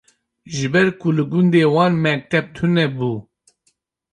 Ji ber ku li gundê wan mekteb tunebû